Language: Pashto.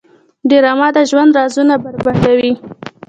ډرامه د ژوند رازونه بربنډوي